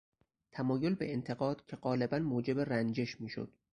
تمایل به انتقاد که غالبا موجب رنجش میشد